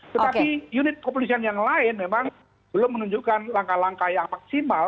tetapi unit kepolisian yang lain memang belum menunjukkan langkah langkah yang maksimal